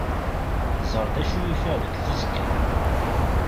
Ẓer d acu ufiɣ deg teẓgi.